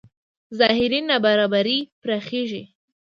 ظاهري نابرابرۍ پراخېږي.